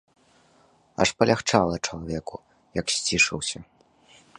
Аж палягчэла чалавеку, як сцішыўся.